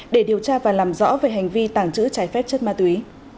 để điều tra và làm rõ về hành vi tàng trữ trái phép chất ma túy